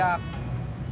ya makanya lo periksa dulu